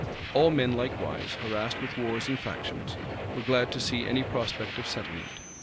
All men, likewise, harassed with wars and factions, were glad to see any prospect of settlement.